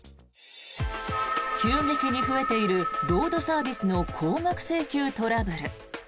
急激に増えているロードサービスの高額請求トラブル。